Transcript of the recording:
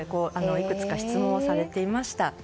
いくつか質問をされていました。